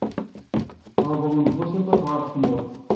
Ɣeḍlen-d buseṭṭaf ɣef tmurt.